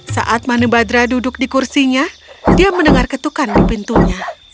saat manibadra duduk di kursinya dia mendengar ketukan di pintunya